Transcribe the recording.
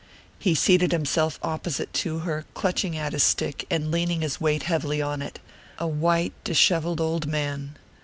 He seated himself opposite to her, clutching at his stick, and leaning his weight heavily on it a white dishevelled old man.